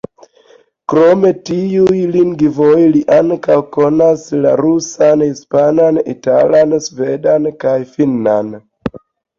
Krom tiuj lingvoj li ankaŭ konas la rusan, hispanan, italan, svedan kaj finnan.